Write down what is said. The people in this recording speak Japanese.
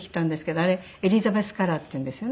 あれエリザベスカラーっていうんですよね。